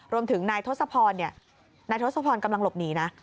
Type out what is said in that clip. รวมถึงนายทศพรนายทศพรกำลังหลบหนีนะ